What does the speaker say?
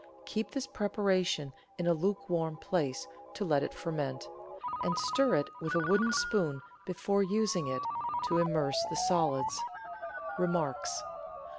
Keep this preparation in a luke warm place to let it ferment, and stir it with a wooden spoon be fore using it to immerse the solids. Remarks.